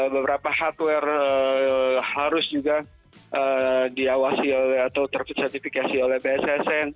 beberapa hardware harus juga diawasi atau tersertifikasi oleh bssn